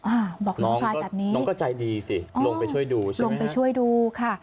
อ่าบอกน้องชายแบบนี้น้องก็ใจดีสิลงไปช่วยดูสิลงไปช่วยดูค่ะ